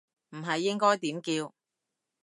唔係應該點叫